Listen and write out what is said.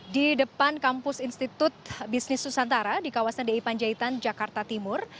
di depan kampus institut bisnis susantara di kawasan d i panjaitan jakarta timur